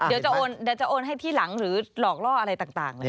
เดี๋ยวจะโอนให้ที่หลังหรือหลอกล่ออะไรต่าง